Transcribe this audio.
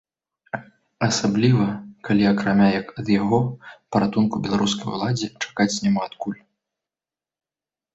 Асабліва, калі акрамя як ад яго, паратунку беларускай уладзе чакаць няма адкуль?